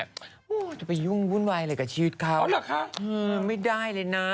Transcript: โอ้โหจะไปยุ่งวุ่นวายอะไรกับชีวิตเขาเหรอคะไม่ได้เลยนะ